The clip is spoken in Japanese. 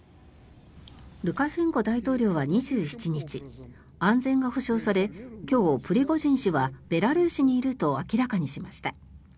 ルカシェンコ大統領は２７日安全が保証され今日、プリゴジン氏はベラルーシにいると明らかにしました。